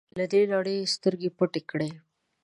له دې نړۍ سترګې پټې کړې.